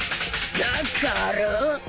だから！